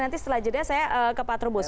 nanti setelah jadilah saya ke patrobos